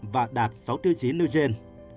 và đạt sáu tiêu chí nêu trên